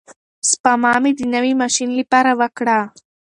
سپما مې د نوي ماشین لپاره وکړه.